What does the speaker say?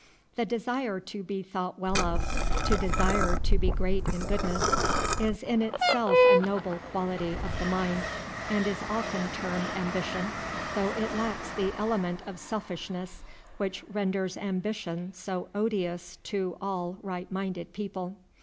The desire to be thought well of, to desire to be great in goodness, is in itself a noble quality of the mind, and is often termed ambition, though it lacks the element of selfishness which renders ambition so odious to all right minded people.